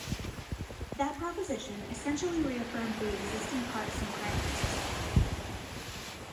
That proposition essentially re-affirmed the existing partisan primary system.